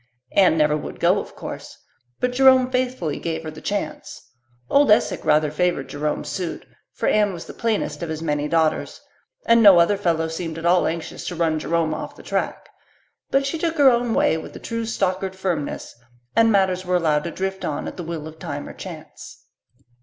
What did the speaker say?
Anne never would go, of course, but Jerome faithfully gave her the chance. Old Esek rather favoured Jerome's suit, for Anne was the plainest of his many daughters, and no other fellow seemed at all anxious to run Jerome off the track; but she took her own way with true Stockard firmness, and matters were allowed to drift on at the will of time or chance.